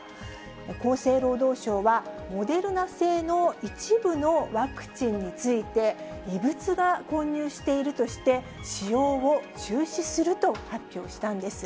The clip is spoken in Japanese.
厚生労働省は、モデルナ製の一部のワクチンについて、異物が混入しているとして、使用を中止すると発表したんです。